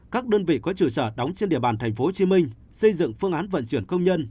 các đơn vị có chủ sở đóng trên địa bàn tp hcm xây dựng phương án vận chuyển công nhân